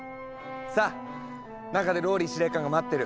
さあ中でＲＯＬＬＹ司令官が待ってる。